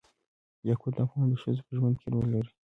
یاقوت د افغان ښځو په ژوند کې رول لري.